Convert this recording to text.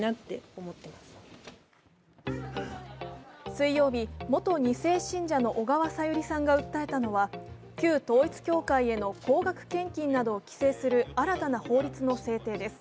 水曜日、元２世信者の小川さゆりさんが訴えたのは旧統一教会への高額献金などを規制する新たな法律の制定です。